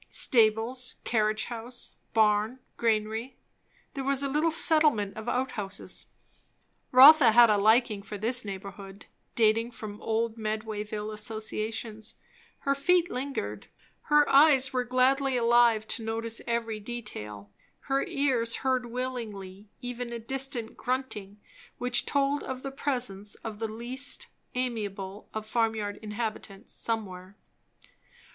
Stables, carriage house, barn, granary; there was a little settlement of outhouses. Rotha had a liking for this neighbourhood, dating from old Medwayville associations; her feet lingered; her eyes were gladly alive to notice every detail; her ears heard willingly even a distant grunting which told of the presence of the least amiable of farm yard inhabitants, somewhere.